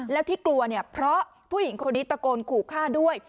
แล้วที่กลัวเนี่ยเพราะผู้หญิงคนนี้ตะโกนขู่ฆ่าด้วย